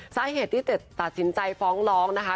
สาเหตุที่เต็ดตัดสินใจฟ้องร้องนะคะ